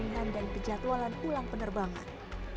pembelian dan penjadwalan ulang penerbangan